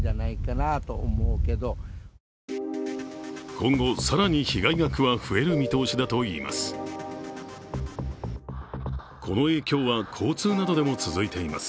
今後、更に被害額は増える見通しだといいます。